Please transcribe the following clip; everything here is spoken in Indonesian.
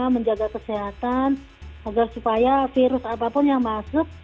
menjaga kesehatan agar supaya virus apapun yang masuk